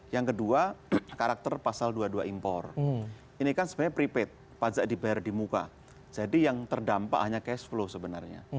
yang kedua karakter pasal dua puluh dua impor ini kan sebenarnya prepaid pajak dibayar di muka jadi yang terdampak hanya cash flow sebenarnya